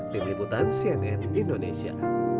tim liputan cnn indonesia